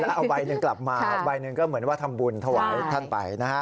แล้วเอาใบหนึ่งกลับมาใบหนึ่งก็เหมือนว่าทำบุญถวายท่านไปนะฮะ